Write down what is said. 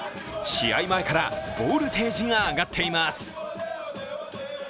試合前からボルテージが上がっています。